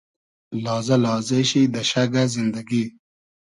لازۂ لازې شی دۂ شئگۂ زیندئگی